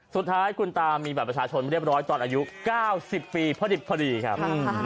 สุดท้ายคุณตามีบัตรประชาชนเรียบร้อยตอนอายุ๙๐ปีพอดิบพอดีครับ